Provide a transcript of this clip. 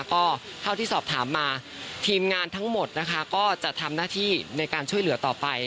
ก็เท่าที่สอบถามมาทีมงานทั้งหมดนะคะก็จะทำหน้าที่ในการช่วยเหลือต่อไป